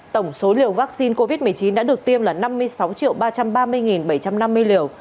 tổng số liều vaccine covid một mươi chín đã được tiêm là năm mươi sáu ba trăm ba mươi bảy trăm năm mươi liều